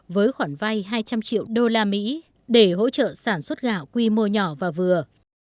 với khoản vay hai trăm linh triệu đô la mỹ để hỗ trợ sản xuất gạo quy mô nhỏ và vừa